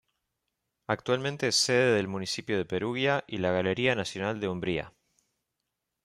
Actualmente es sede del municipio de Perugia y la Galería Nacional de Umbría.